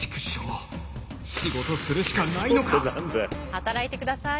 働いてください。